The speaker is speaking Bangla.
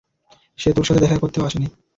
সে তোর সাথে দেখাও করতে আসেনি!